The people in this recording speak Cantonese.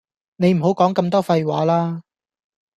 你唔好講咁多廢話啦